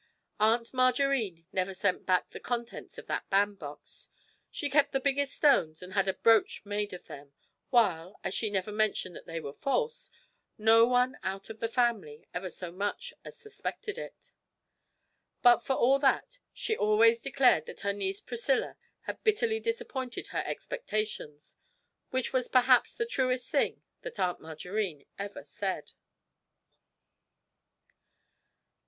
Aunt Margarine never sent back the contents of that bandbox; she kept the biggest stones and had a brooch made of them, while, as she never mentioned that they were false, no one out of the family ever so much as suspected it. But, for all that, she always declared that her niece Priscilla had bitterly disappointed her expectations which was perhaps the truest thing that Aunt Margarine ever said.